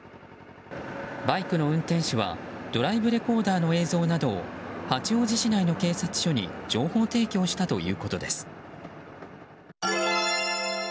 バイクの運転手はドライブレコーダーの映像などを八王子市内の警察署に情報提供したということです。